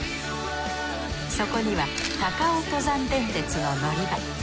そこには高尾登山電鉄の乗り場。